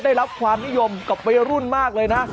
ได้รับความนิยมกับวัยรุ่นมากเลยนะ